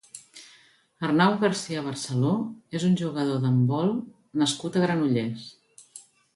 Arnau García Barceló és un jugador d'handbol nascut a Granollers.